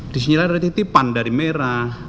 disinilah ada titipan dari merah